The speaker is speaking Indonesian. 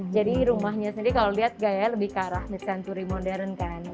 jadi rumahnya sendiri kalau liat gayanya lebih ke arah mid century modern kan